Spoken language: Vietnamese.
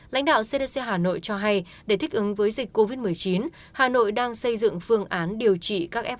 lãnh đạo cdc hà nội cho hay để thích ứng với dịch covid một mươi chín hà nội đang xây dựng phương án điều trị các f một